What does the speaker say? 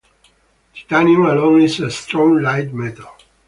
Titanium alone is a strong, light metal.